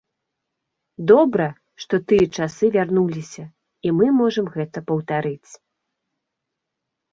Добра, што тыя часы вярнуліся, і мы можам гэта паўтарыць.